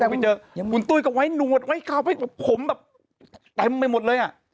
ไปเจอคุณตุ้ยก็ไว้หนวดไว้เขาผมแบบเต็มไปหมดเลยอ่ะ